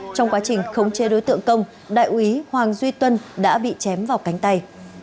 trong quá trình khống chê đối tượng công đại úy hoàng duy tuân đã bị chém vào cánh tay